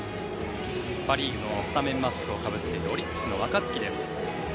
パ・リーグのスタメンマスクをかぶっているオリックスの若月です。